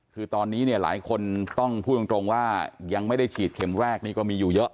คือตอนนี้เนี่ยหลายคนต้องพูดตรงว่ายังไม่ได้ฉีดเข็มแรกนี่ก็มีอยู่เยอะ